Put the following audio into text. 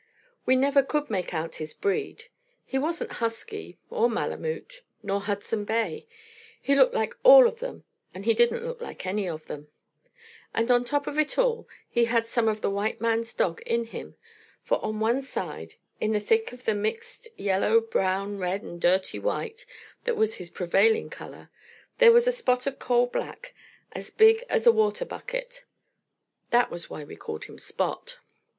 We never could make out his breed. He wasn't husky, nor Malemute, nor Hudson Bay; he looked like all of them and he didn't look like any of them; and on top of it all he had some of the white man's dog in him, for on one side, in the thick of the mixed yellow brown red and dirty white that was his prevailing color, there was a spot of coal black as big as a water bucket. That was why we called him Spot.